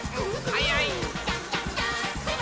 はやい！